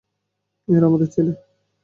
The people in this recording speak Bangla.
এরা আমাদের ছেলে!